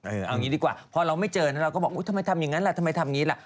เอาอย่างนี้ดีกว่าพอเราไม่เจอเราก็บอกทำไมทำอย่างนั้นล่ะทำไมทำอย่างนี้ล่ะ